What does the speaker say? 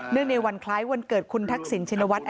เนื่องในวันคล้ายวันเกิดคุณทักษิณชินวัสดิ์